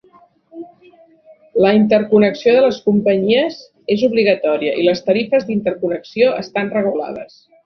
La interconnexió de les companyies és obligatòria i les tarifes d'interconnexió estan regulades.